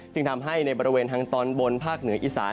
จึงทำให้ในบริเวณทางตอนบนภาคเหนืออีสาน